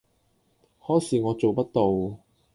可是我做不到